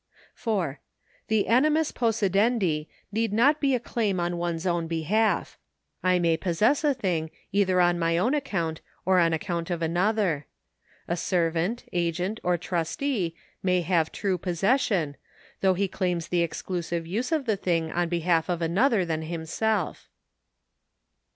4. The animus possidendi need not be a claim on one's own behalf. I may possess a thing either on my own account or on account of another. A servant, agent, or trustee may have true possession, though he claims the exclusive use of the thing on behalf of another than himself.